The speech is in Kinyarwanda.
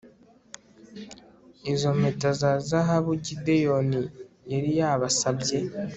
izo mpeta za zahabu gideyoni yari yabasabye